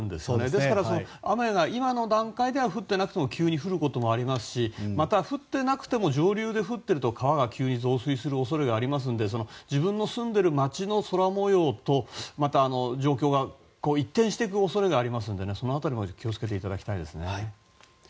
ですので雨が現段階で降っていなくても急に降ることもありますしまた、降っていなくても上流で降っていると川が急に増水する恐れがありますので自分の住んでいる町の空模様が一転していく恐れがあるのでその辺りも気を付けていただきたいです。